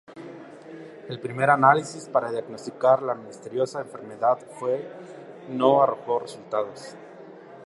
El primer análisis para diagnosticar la misteriosa enfermedad, no arrojó resultados.